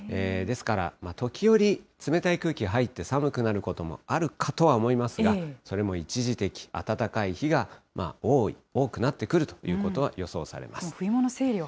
ですから時折、冷たい空気が入って寒くなることもあるかとは思いますが、それも一時的、暖かい日が多い、多くなってくるということが予想されます。